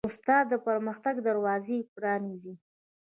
استاد د پرمختګ دروازې پرانیزي.